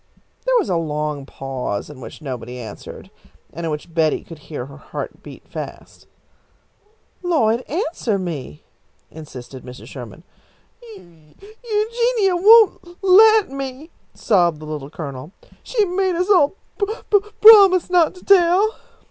There was a long pause in which nobody answered, and in which Betty could hear her heart beat fast. "Lloyd, answer me," insisted Mrs. Sherman. "Eu Eugenia won't l let me!" sobbed the Little Colonel. "She made us all p promise not to tell."